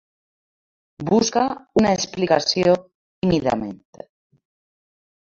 Busca una explicació tímidament.